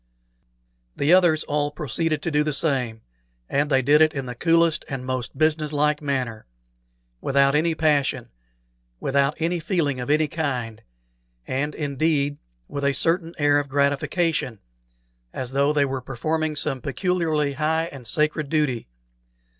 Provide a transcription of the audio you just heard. The others all proceeded to do the same, and they did it in the coolest and most business like manner, without any passion, without any feeling of any kind, and, indeed, with a certain air of gratification, as though they were performing some peculiarly high and sacred duty.